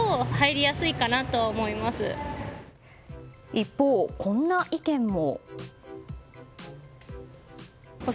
一方、こんな意見も。